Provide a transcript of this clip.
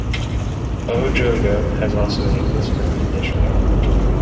"O Jogo" has also a Lisbon edition.